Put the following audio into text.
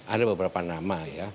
ada beberapa nama ya